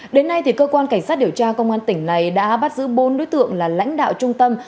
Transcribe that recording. đến nay cơ quan cảnh sát điều tra công an tỉnh này đã bắt giữ bốn đối tượng là lãnh đạo trung tâm